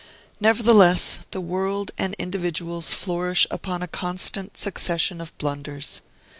Nevertheless, the world and individuals flourish upon a constant succession of blunders.